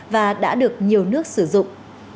và đã được nhiều nước sử dụng